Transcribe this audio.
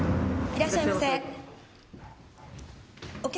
いらっしゃいませ。